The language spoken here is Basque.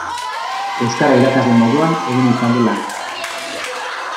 Euskara irakasle moduan egin izan du lan.